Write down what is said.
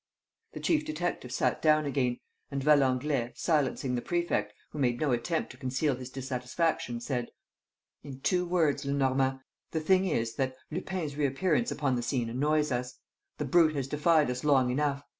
The chief detective sat down again, and Valenglay, silencing the prefect, who made no attempt to conceal his dissatisfaction, said: "In two words, Lenormand, the thing is that Lupin's reappearance upon the scene annoys us. The brute has defied us long enough.